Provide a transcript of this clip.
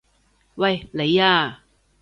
喂！你啊！